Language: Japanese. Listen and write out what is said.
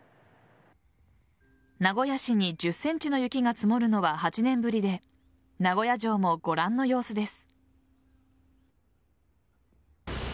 名古屋市に１０ｃｍの雪が積もるのは８年ぶりで名古屋城も、ご覧の様子です。